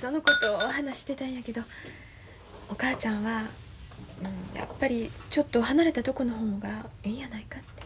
そのこと話してたんやけどお母ちゃんはやっぱりちょっと離れたとこの方がええんやないかって。